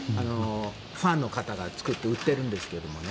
ファンの方が作って売ってるんですけどもね。